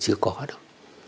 chưa có đâu